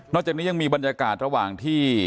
จากนี้ยังมีบรรยากาศระหว่างที่